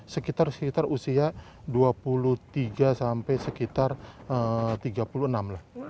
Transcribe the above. sekitar sekitar usia dua puluh tiga sampai sekitar tiga puluh enam lah